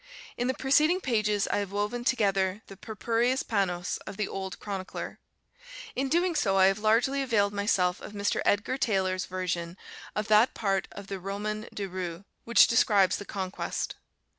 [In the preceding pages, I have woven together the "purpureos pannos" of the old chronicler. In so doing, I have largely availed myself of Mr. Edgar Taylor's version of that part of the "Roman de Rou" which describes the conquest.